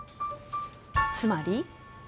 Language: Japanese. つまり？